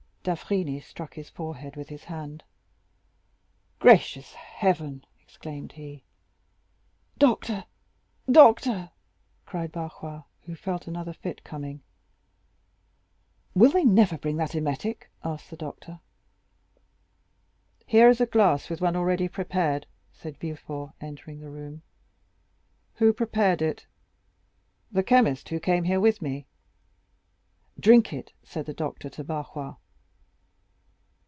D'Avrigny struck his forehead with his hand. "Gracious heaven," exclaimed he. "Doctor, doctor!" cried Barrois, who felt another fit coming. "Will they never bring that emetic?" asked the doctor. "Here is a glass with one already prepared," said Villefort, entering the room. "Who prepared it?" "The chemist who came here with me." 40116m "Drink it," said the doctor to Barrois.